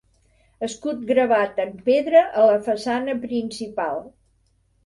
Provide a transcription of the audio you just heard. Escut gravat en pedra a la façana principal.